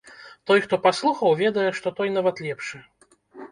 Той, хто паслухаў, ведае, што той, нават лепшы.